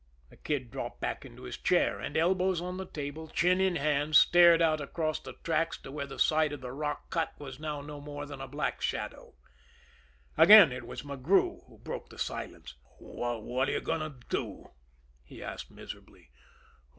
The Kid dropped back into his chair, and, elbows on the table, chin in hands, stared out across the tracks to where the side of the rock cut was now no more than a black shadow. Again it was McGrew who broke the silence. "What are you going to do?" he asked miserably.